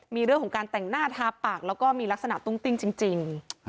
มีเรื่องของการแต่งหน้าทาปากแล้วก็มีลักษณะตุ้งติ้งจริง